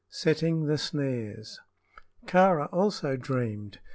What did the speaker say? SETTING THE SNARES. Kāra also dreamed.